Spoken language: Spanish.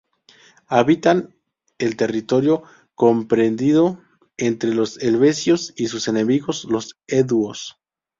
Habitaban el territorio comprendido entre los helvecios y sus enemigos los heduos.